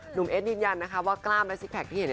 เอสยืนยันนะคะว่ากล้ามและซิกแพคที่เห็น